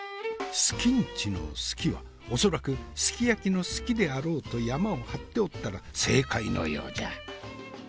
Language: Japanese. すきンチの「すき」は恐らくすき焼きの「すき」であろうとヤマを張っておったら正解のようじゃ。